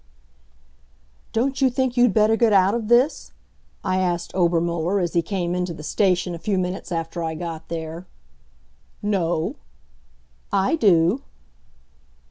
"Don't you think you'd better get out of this?" I asked Obermuller, as he came into the station a few minutes after I got there. "No." "I do."